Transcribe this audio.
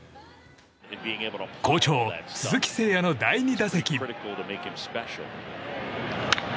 好調、鈴木誠也の第２打席。